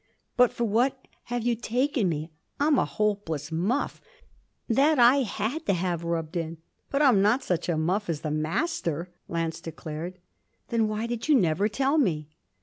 'But for what have you taken me? I'm a hopeless muff that I had to have rubbed in. But I'm not such a muff as the Master!' Lance declared. 'Then why did you never tell me